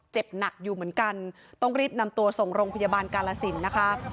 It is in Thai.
เจ็บหนักอยู่เหมือนกันต้องรีบนำตัวส่งโรงพยาบาลกาลสินนะคะ